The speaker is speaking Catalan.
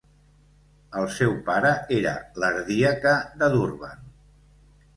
El seu pare era l'ardiaca de Durban.